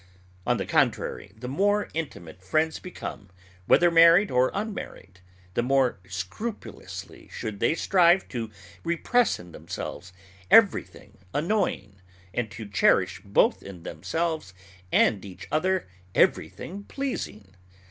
On the contrary, the more intimate friends become, whether married or unmarried, the more scrupulously should they strive to repress in themselves everything annoying, and to cherish both in themselves and each other everything pleasing.